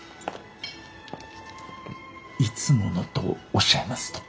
いつものとおっしゃいますと？